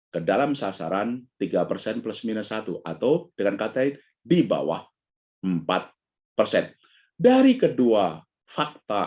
ke dalam sasaran tiga persen plus minus satu atau dengan kata di bawah empat persen dari kedua fakta